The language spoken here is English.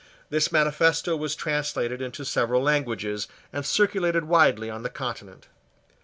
This manifesto was translated into several languages, and circulated widely on the Continent.